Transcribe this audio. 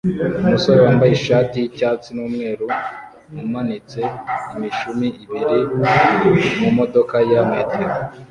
umusore wambaye ishati y'icyatsi n'umweru umanitse imishumi ibiri mumodoka ya metero